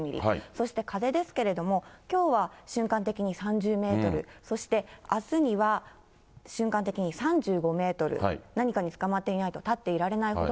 そして風ですけれども、きょうは瞬間的に３０メートル、そしてあすには瞬間的に３５メートル、何かにつかまっていないと立っていられないほどの。